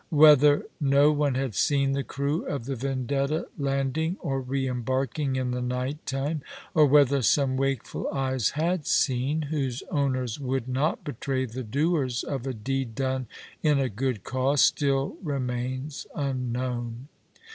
Whether no one had seen the crew of the Vendetta landing or re embarking in the night time, or whether some wakeful eyes had seen, whose owners would not betray the doers of a deed done in a good cause, still remains unknown.